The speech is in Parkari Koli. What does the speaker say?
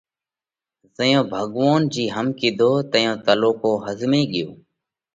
زئيون ڀڳوونَ جِي هم ڪِيڌو تئيون تلُوڪو ۿزمي ڳيو